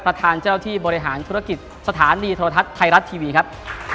เจ้าที่บริหารธุรกิจสถานีโทรทัศน์ไทยรัฐทีวีครับ